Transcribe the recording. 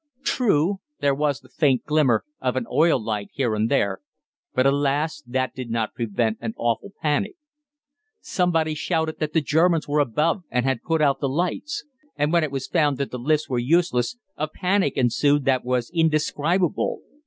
True, there was the faint glimmer of an oil light here and there, but, alas! that did not prevent an awful panic. Somebody shouted that the Germans were above and had put out the lights, and when it was found that the lifts were useless a panic ensued that was indescribable.